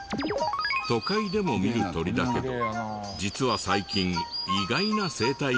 都会でも見る鳥だけど実は最近意外な生態が明らかに。